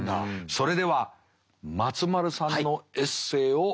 それでは松丸さんのエッセーを見させていただきます。